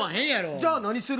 じゃあ、何する？